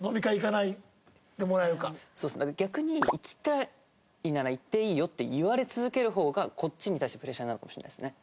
だから逆に「行きたいなら行っていいよ」って言われ続ける方がこっちに対してプレッシャーになるかもしれないですね。